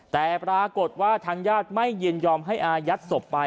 แต่ปรากฏว่าทางญาติไม่ยินยอมให้อายัดศพไป